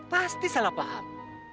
pasti salah paham